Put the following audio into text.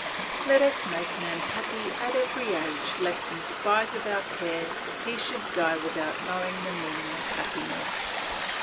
Let us make man happy at every age lest in spite of our care he should die without knowing the meaning of happiness.